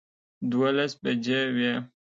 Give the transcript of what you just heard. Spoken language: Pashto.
دولس بجې وې